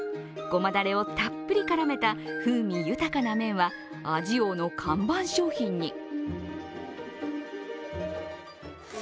ごまだれをたっぷり絡めた風味豊かな麺は味王の看板商品に。